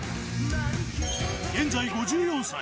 現在５４歳。